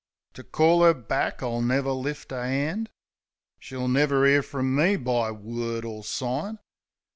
To call 'er back I'll never lift a 'and ; She'll never 'ear frum me by word or sign.